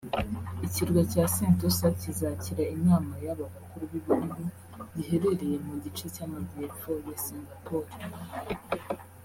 Ikirwa cya Sentosa kizakira inama y’aba bakuru b’ibihugu giherereye mu gice cy’Amajyepfo ya Singapore